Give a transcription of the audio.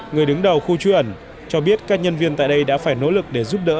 người đứng đầu khu trú ẩn cho biết các nhân viên tại đây đã phải nỗ lực để giúp đỡ